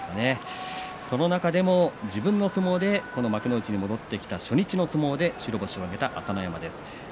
その中でも自分の相撲でこの幕内に戻ってきた初日の相撲で白星を挙げた朝乃山です。